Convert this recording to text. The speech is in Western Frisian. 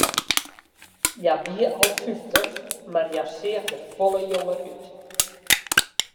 Hja wie al fyftich, mar hja seach der folle jonger út.